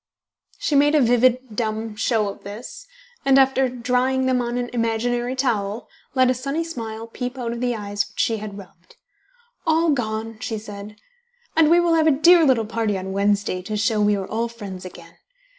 She made a vivid dumb show of this, and after drying them on an imaginary towel, let a sunny smile peep out of the eyes which she had rubbed. "All gone!" she said; "and we will have a dear little party on Wednesday to show we are all friends again.